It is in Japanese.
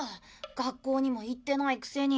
学校にも行ってないくせに。